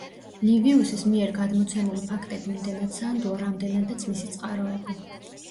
ლივიუსის მიერ გადმოცემული ფაქტები იმდენად სანდოა, რამდენადაც მისი წყაროები.